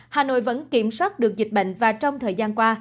hà nội vẫn kiểm soát được dịch bệnh và trong thời gian qua